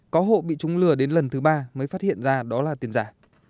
có hộ bị chúng lừa đến lần thứ ba mới phát hiện ra đó là tiền giả